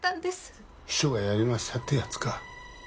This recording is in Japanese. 「秘書がやりました」ってやつか。